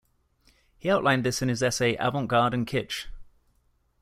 He outlined this in his essay "Avant-Garde and Kitsch".